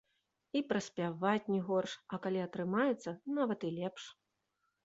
І праспяваць не горш, а калі атрымаецца, нават і лепш.